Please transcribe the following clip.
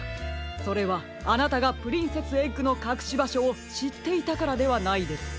それはあなたがプリンセスエッグのかくしばしょをしっていたからではないですか？